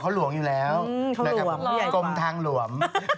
เขาหลวงอยู่แล้วคลมทางหลวม